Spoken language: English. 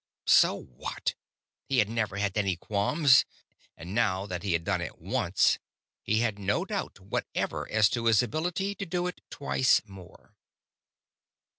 _ _So what? He had never had any qualms; and, now that he had done it once, he had no doubt whatever as to his ability to do it twice more.